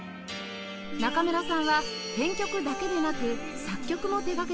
中村さんは編曲だけでなく作曲も手掛けています